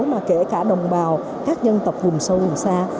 mà kể cả đồng bào các dân tộc vùng sâu vùng xa